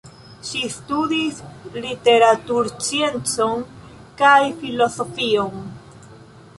Ŝi studis literatursciencon kaj filozofion.